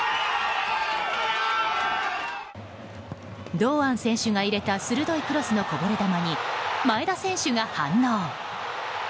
堂安選手が入れた鋭いクロスのこぼれ球に前田選手が反応。